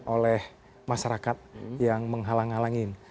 oleh masyarakat yang menghalang halangin